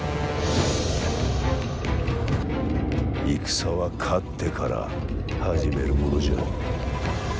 戦は勝ってから始めるものじゃ。